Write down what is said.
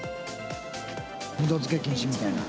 二度づけ禁止みたいな。